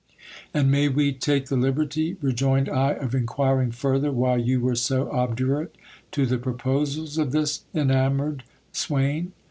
And may we take the liberty, rejoined I, of inquiring further, why you were so obdurate to the proposals of this en amoured swain